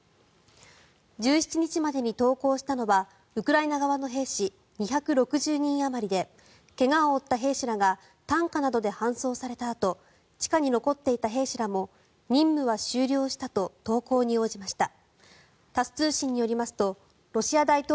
１７日までに投降したのはウクライナ側の兵士２６０人あまりで怪我を負った兵士らが担架などで搬送されたあと地下に残っていた兵士らも任務は終了したと投降に応じました。